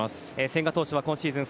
千賀投手は今シーズン